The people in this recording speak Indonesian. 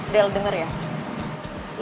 del denger ya